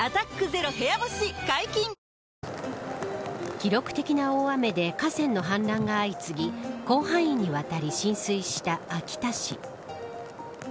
記録的な大雨で河川の氾濫が相次ぎ広範囲にわたり浸水した秋田市。